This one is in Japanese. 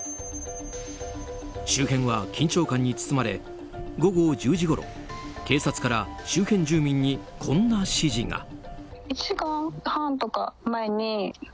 周辺は緊張感に包まれ午後１０時ごろ警察から周辺住民にこんな指示が。